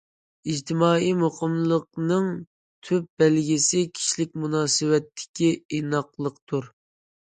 ئىجتىمائىي مۇقىملىقنىڭ تۈپ بەلگىسى كىشىلىك مۇناسىۋەتتىكى ئىناقلىقتۇر.